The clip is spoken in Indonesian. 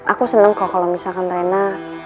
aku seneng kok kalau misalkan rena